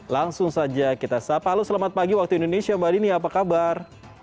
langsung saja kita sapa halo selamat pagi waktu indonesia mbak dini apa kabar